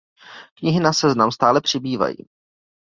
Knihy na seznam stále přibývají.